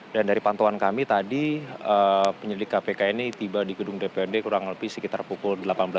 dan dari pantauan kami tadi penyelidik kpk ini tiba di gedung dprd kurang lebih sekitar pukul delapan belas dua puluh